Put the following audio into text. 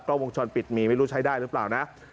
ก็วงจรปิดมีไม่รู้ใช้ได้หรือเปล่านะ